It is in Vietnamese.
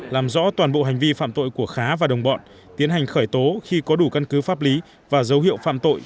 làm rõ toàn bộ hành vi phạm tội của khá và đồng bọn tiến hành khởi tố khi có đủ căn cứ pháp lý và dấu hiệu phạm tội